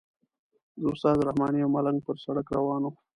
زه استاد رحماني او ملنګ پر سړک روان وو.